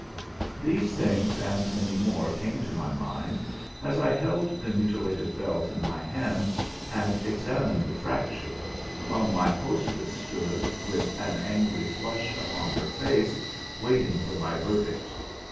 These things and many more came to my mind as I held the mutilated belt in my hand and examined the fracture, while my hostess stood, with an angry flush upon her face, waiting for my verdict.